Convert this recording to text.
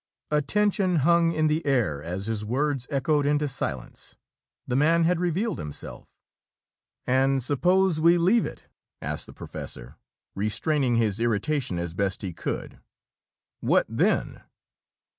A tension hung in the air, as his words echoed into silence. The man had revealed himself. "And suppose we leave it?" asked the professor, restraining his irritation as best he could. "What then?"